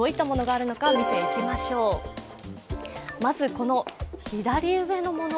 この左上のもの